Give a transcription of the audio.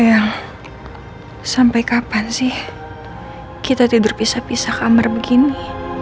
sayang sampai kapan sih kita tidur pisah pisah kamar begini